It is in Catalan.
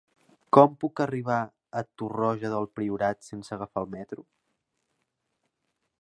Com puc arribar a Torroja del Priorat sense agafar el metro?